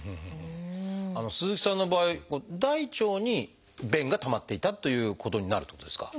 鈴木さんの場合大腸に便がたまっていたということになるってことですか？